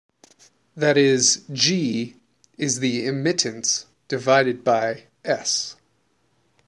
That is, "g" is the immittance divided by "s".